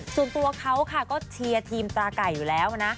ส่วนตัวเขาค่ะก็เชียร์ทีมตราไก่อยู่แล้วนะ